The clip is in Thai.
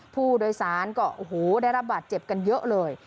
ผู้โดยสารก็โอ้โหได้รับบาดเจ็บกันเยอะเลย